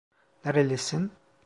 Nerelisin?